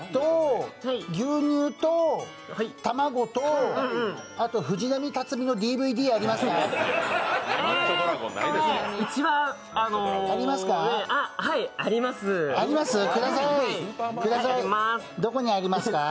牛乳と卵と、あと藤浪辰爾のＤＶＤありますか？